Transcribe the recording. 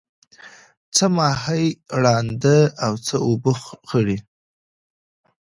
څه ماهی ړانده او څه اوبه خړی.